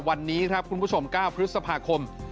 วันนี้ครับคุณผู้ชม๙พฤษภาคม